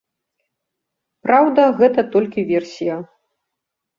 Праўда, гэта толькі версія.